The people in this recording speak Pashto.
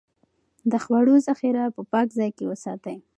د خوړو ذخيره په پاک ځای کې وساتئ.